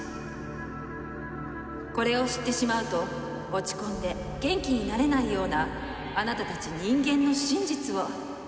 これを知ってしまうと落ち込んで元気になれないようなあなたたち人間の真実を教えてあげる。